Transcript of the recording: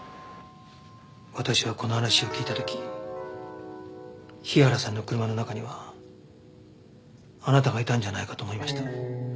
私はこの話を聞いた時日原さんの車の中にはあなたがいたんじゃないかと思いました。